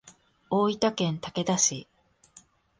大分県竹田市